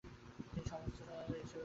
তিনি সন্ত হিসেবে স্বীকৃত।